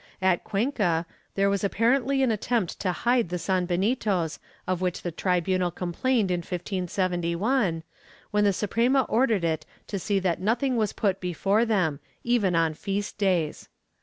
At Cuenca, there was apparently an attempt to hide the sanbenitos of which the tribunal complained in 1571, when the Suprema ordered it to see that nothing was put before them, even on feast days.'